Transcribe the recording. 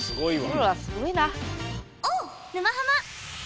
プロはすごいな。